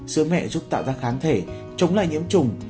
sứ mẹ giúp tạo ra kháng thể chống lại nhiễm trùng